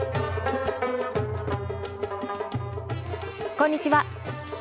こんにちは。